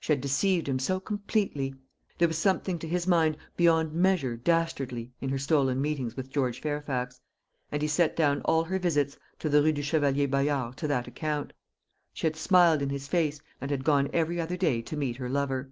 She had deceived him so completely; there was something to his mind beyond measure dastardly in her stolen meetings with George Fairfax; and he set down all her visits to the Rue du Chevalier Bayard to that account. She had smiled in his face, and had gone every other day to meet her lover.